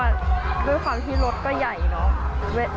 ด้วยความที่รถก็ใหญ่เนอะ